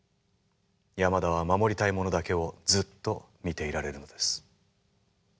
山田は守りたいものだけをずっと見ていられるのです。